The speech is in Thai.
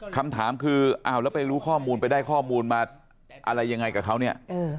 คำถามคืออ้าวแล้วไปรู้ข้อมูลไปได้ข้อมูลมาอะไรยังไงกับเขาเนี่ย